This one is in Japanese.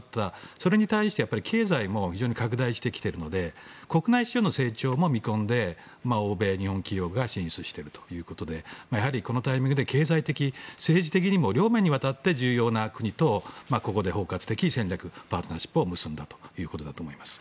それに対して経済も非常に拡大してきているので国内市場の成長も見込んで欧米、日本企業が進出しているということでやはりこのタイミングで経済的政治的にも両面にわたって重要な国とここで包括的戦略パートナーシップを結んだということだと思います。